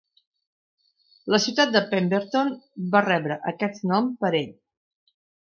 La ciutat de Pemberton va rebre aquest nom per ell.